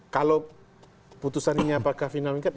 kalau putusan ini apakah final lengkap